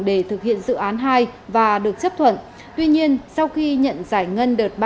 để thực hiện dự án hai và được chấp thuận tuy nhiên sau khi nhận giải ngân đợt ba